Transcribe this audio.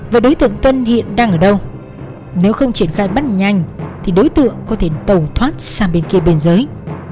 và đối tượng tuân hiện đang ở đâu nếu không triển khai bắt nhanh thì đối tượng có thể tẩu thoát sang bên kia biên giới